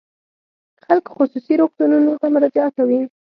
خلک خصوصي روغتونونو ته مراجعه کوي.